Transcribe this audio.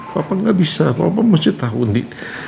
papa gak bisa papa mau jatah undi